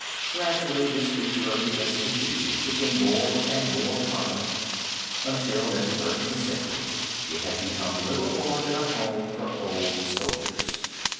Gradually this feature of the institution became more and more prominent until in the Thirteenth Century it had become little more than a home for old soldiers.